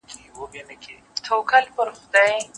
شپه د کال او د پېړۍ په څېر اوږده وای